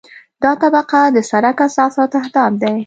دا طبقه د سرک اساس او تهداب دی